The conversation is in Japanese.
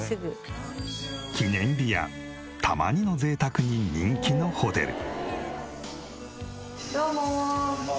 記念日やたまにの贅沢に人気のホテル。